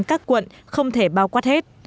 các quận không thể bao quát hết